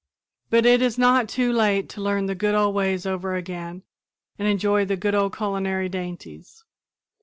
But it is not too late to learn the good old ways over again and enjoy the good old culinary dainties.